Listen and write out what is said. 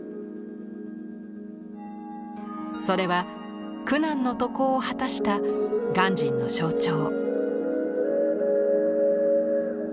それは苦難の渡航を果たした鑑真の象徴。